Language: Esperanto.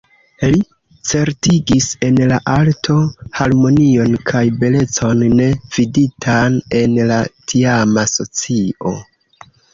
Li certigis en la arto harmonion kaj belecon, ne viditan en la tiama socio.